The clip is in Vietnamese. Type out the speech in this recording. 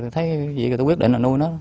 thấy gì tôi quyết định là nuôi nó